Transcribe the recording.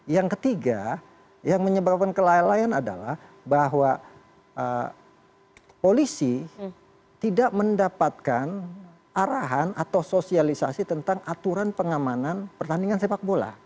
yang ketiga yang menyebabkan kelalaian adalah bahwa polisi tidak mendapatkan arahan atau sosialisasi tentang aturan pengamanan pertandingan sepak bola